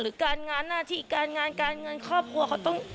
การงานหน้าที่การงานการเงินครอบครัวเขาต้อง